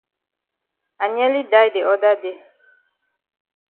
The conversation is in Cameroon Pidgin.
I nearly die de oda day.